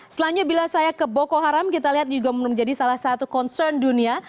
selanjutnya bila saya ke boko haram kita lihat juga menjadi salah satu concern dunia